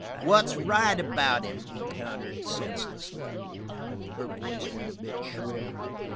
"What's right about him?" he countered senselessly. Her voice went a bit shrill.